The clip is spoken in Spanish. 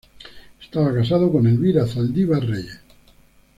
Estaba casado con Elvira Zaldívar Reyes.